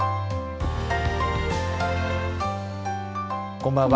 こんばんは。